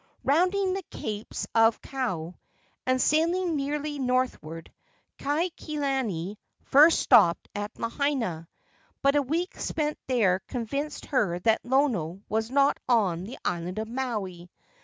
Rounding the capes of Kau and sailing nearly northward, Kaikilani first stopped at Lahaina; but a week spent there convinced her that Lono was not on the island of Maui.